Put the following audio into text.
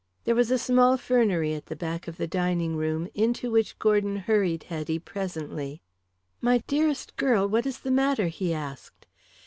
There was a small fernery at the back of the dining room into which Gordon hurried Hetty presently. "My dearest girl, what is the matter?" he asked.